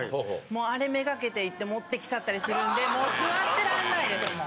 もうあれ目掛けて行って持ってきちゃったりするんで座ってらんないですもん。